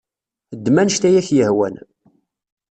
Ddem anect ay ak-yehwan.